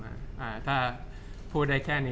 จากความไม่เข้าจันทร์ของผู้ใหญ่ของพ่อกับแม่